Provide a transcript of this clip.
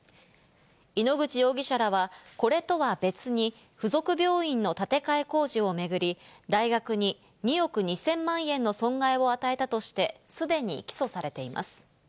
井ノ口容疑者らは、これとは別に、付属病院の建て替え工事を巡り、大学に２億２０００万円の損害を与えたとして、すでに起訴されています。